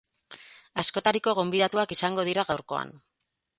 Askotariko gonbidatuak izango dira gaurkoan.